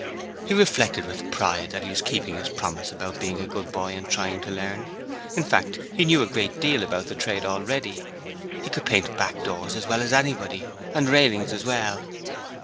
He reflected with pride that he was keeping his promise about being a good boy and trying to learn: in fact, he knew a great deal about the trade already he could paint back doors as well as anybody! and railings as well.